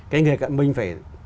cái nghề cận mình phải